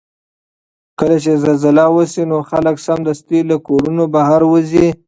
کله چې زلزله وشي نو خلک سمدستي له کورونو بهر وځي.